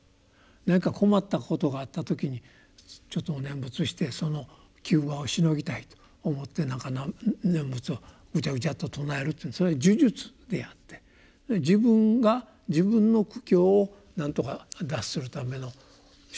何か困ったことがあった時にちょっとお念仏してその急場をしのぎたいと思って念仏をぐちゃぐちゃっと称えるというのはそれは呪術であって自分が自分の苦境を何とか脱するための手段になっている言葉ですね。